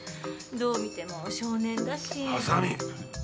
どう見ても少年だし。